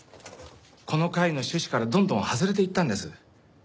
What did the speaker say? この会の趣旨からどんどん外れていったんです。